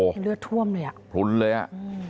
เห็นเลือดท่วมเลยอะพลุนเลยอะ